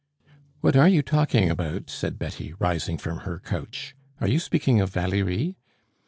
"What are you talking about?" said Betty, rising from her couch. "Are you speaking of Valerie?"